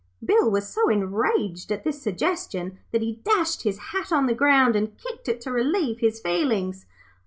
Bill was so enraged at this suggestion that he dashed his hat on the ground and kicked it to relieve his feelings.